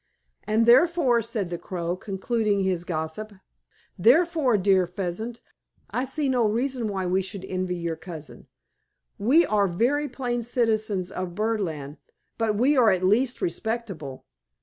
"And therefore," said the Crow, concluding his gossip, "therefore, dear Pheasant, I see no reason why we should envy your cousin. We are very plain citizens of Birdland, but we are at least respectable.